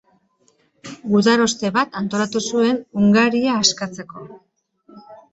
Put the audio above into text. Gudaroste bat antolatu zuen Hungaria askatzeko.